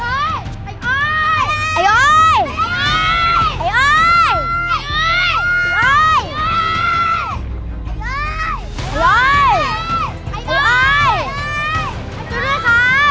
ครับไอ้อ้อยไอ้อ้อยช่วยด้วยครับไอ้อ้อยไอ้อ้อย